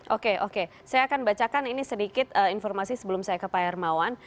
oke oke saya akan bacakan ini sedikit informasi sebelum saya ke pak hermawan